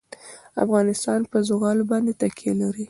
افغانستان په زغال باندې تکیه لري.